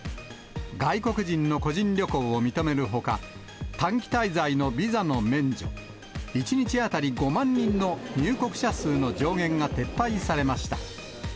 外国人の個人旅行を認めるほか、短期滞在のビザの免除、１日当たり５万人の入国者数の上限が撤廃されました。